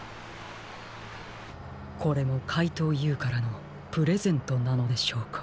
これもかいとうＵからのプレゼントなのでしょうか。